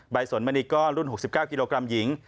ใบสนเมนิกอลรุ่น๖๙กิโลกรัมหญิง